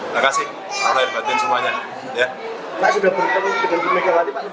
pak sudah berkenan berkenan berkenan lagi pak